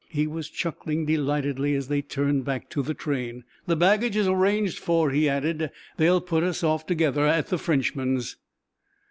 He was chuckling delightedly as they turned back to the train. "The baggage is arranged for," he added. "They'll put us off together at the Frenchman's."